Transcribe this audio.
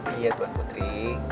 iya tuhan putri